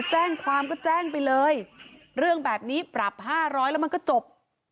แจ้งความก็แจ้งไปเลยเรื่องแบบนี้ปรับ๕๐๐แล้วมันก็จบ